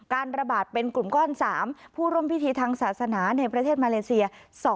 ระบาดเป็นกลุ่มก้อน๓ผู้ร่วมพิธีทางศาสนาในประเทศมาเลเซีย